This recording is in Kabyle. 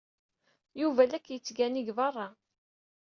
Yuba la k-yettgani deg beṛṛa.